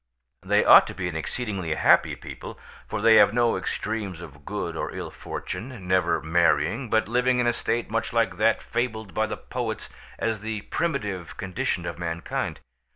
They ought to be an exceedingly happy people, for they have no extremes of good or ill fortune; never marrying, but living in a state much like that fabled by the poets as the primitive condition of mankind.